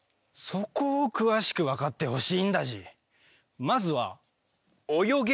そこを詳しく分かってほしいんだＧ。